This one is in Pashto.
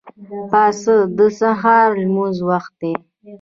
پاڅه! د سهار د لمونځ وخت دی.